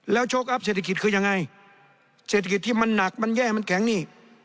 โชคอัพเศรษฐกิจคือยังไงเศรษฐกิจที่มันหนักมันแย่มันแข็งนี่